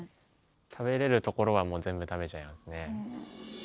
食べれるところはもう全部食べちゃいますね。